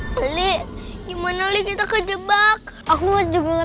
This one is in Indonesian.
hai ali gimana kita ke jebak aku juga